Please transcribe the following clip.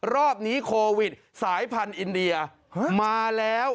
รอบนี้โควิดสายพันธุ์อินเดียมาแล้ว